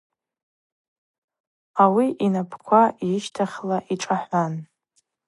Ауи йнапӏква йыщтахьла йшӏахӏван.